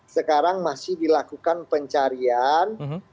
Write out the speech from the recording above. sekarang masih dilakukan pencarian